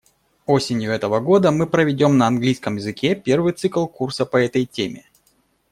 Осенью этого года мы проведем на английском языке первый цикл курса по этой теме.